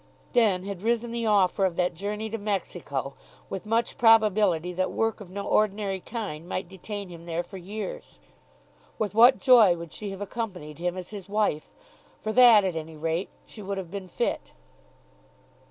Then had risen the offer of that journey to Mexico with much probability that work of no ordinary kind might detain him there for years. With what joy would she have accompanied him as his wife! For that at any rate she would have been fit.